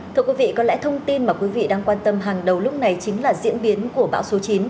thưa quý vị có lẽ thông tin mà quý vị đang quan tâm hàng đầu lúc này chính là diễn biến của bão số chín